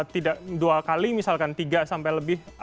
tidak dua kali misalkan tiga sampai lebih